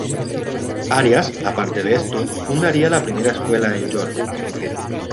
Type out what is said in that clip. Arias, aparte de esto, fundaría la primera escuela en Yoro.